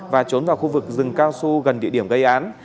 và trốn vào khu vực rừng cao su gần địa điểm gây án